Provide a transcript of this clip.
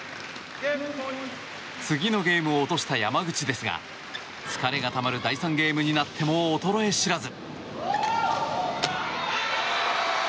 次のゲームを落とした山口ですが疲れがたまる第３ゲームになっても衰え知らず。